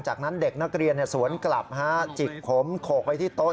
จากนั้นเด็กนักเรียนสวนกลับจิกผมโขกไว้ที่โต๊ะ